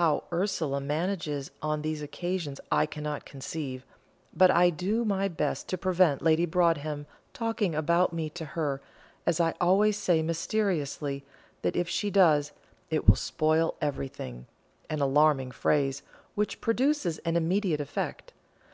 How Ursula manages on these occasions I cannot conceive, but I do my best to prevent Lady Broadhem talking about me to her, as I always say mysteriously, that if she does, "it will spoil everything" an alarming phrase, which produces an immediate effect.